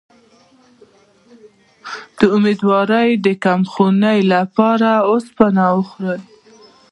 د امیدوارۍ د کمخونی لپاره اوسپنه وخورئ